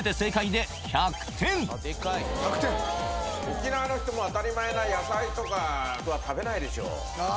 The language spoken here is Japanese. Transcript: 沖縄の人も当たり前な「やさい」とかは食べないでしょうあ